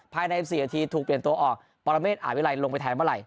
ภายใน๔นาทีถูกเปลี่ยนตัวออกปรเมฆอาวิลัยลงไปแทนเมื่อไห